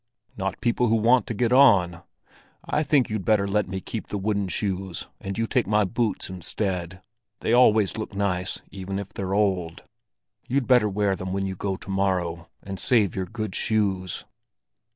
"Not people who want to get on! I think you'd better let me keep the wooden shoes and you take my boots instead; they always look nice even if they're old. You'd better wear them when you go to morrow, and save your good shoes."